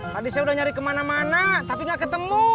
tadi saya udah nyari kemana mana tapi gak ketemu